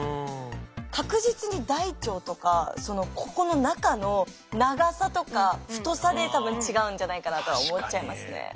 確実に大腸とかここの中の長さとか太さでたぶん違うんじゃないかなとは思っちゃいますね。